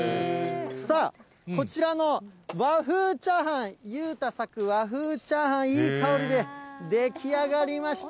さあ、こちらの和風チャーハン、裕太作和風チャーハン、いい香りで出来上がりました。